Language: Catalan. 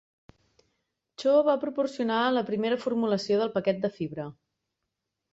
Cho va proporciona la primera formulació del paquet de fibra .